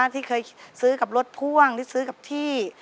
ที่เคยซื้อกับรถพ่วงหรือซื้อกับที่